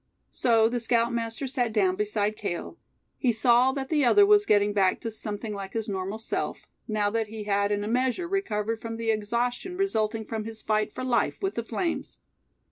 So the scoutmaster sat down beside Cale. He saw that the other was getting back to something like his normal self, now that he had in a measure recovered from the exhaustion resulting from his fight for life with the flames.